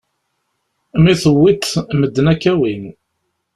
Mi tewwiḍ, medden ad k-awin.